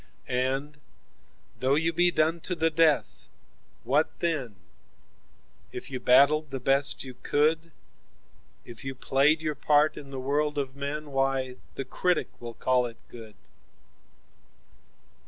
17And though you be done to the death, what then?18 If you battled the best you could,19If you played your part in the world of men,20 Why, the Critic will call it good.